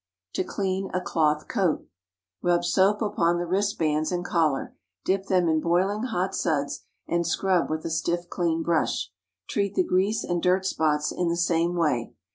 TO CLEAN A CLOTH COAT. Rub soap upon the wristbands and collar; dip them in boiling hot suds—and scrub with a stiff clean brush. Treat the grease and dirt spots in the same way.